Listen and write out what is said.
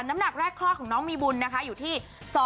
น้ำหนักแรกคลอดของน้องมีบุญนะคะอยู่ที่